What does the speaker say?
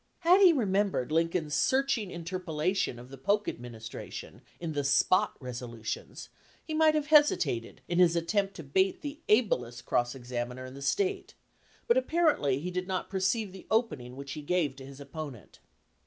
Had he remembered Lincoln's searching interpellation of the Polk administration in the 274 LAW IN THE DEBATE "Spot Resolutions," he might have hesitated in his attempt to bait the ablest cross examiner in the State ; but apparently he did not perceive the opening which he gave to his opponent.